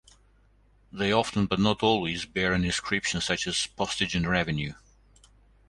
They often but not always bear an inscription such as "Postage and Revenue".